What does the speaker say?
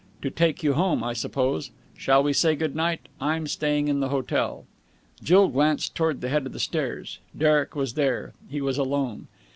"To take you home, I suppose. Shall we say good night? I'm staying in the hotel." Jill glanced towards the head of the stairs. Derek was there. He was alone.